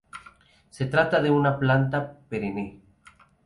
Se trata de una planta perenne.